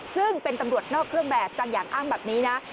ซึ่งเป็นตำรวจนอกเครื่องแบบจังอย่างอ้างแบบนี้นะ